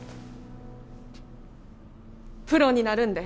プロになるんで。